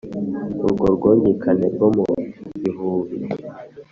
urwo rwungikane rwo mu bihubi